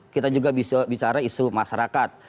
kita juga bisa bicara isu masyarakat